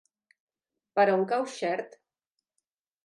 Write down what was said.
Per on cau Xert?